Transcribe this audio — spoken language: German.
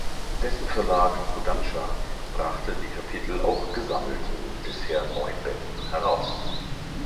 Dessen Verlag Kodansha brachte die Kapitel auch gesammelt in bisher neun Bänden heraus.